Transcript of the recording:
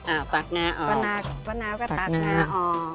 อ้าวตักงาออกปะนาวก็ตักงาออก